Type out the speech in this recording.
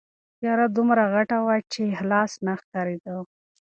تیاره دومره غټه وه چې لاس نه ښکارېده.